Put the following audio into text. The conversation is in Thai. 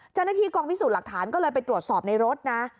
เจ้าหน้าที่กองพิสูจน์หลักฐานก็เลยไปตรวจสอบในรถนะ